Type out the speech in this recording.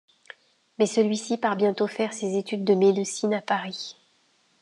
Mais celui-ci part bientôt faire des études de médecine à Paris.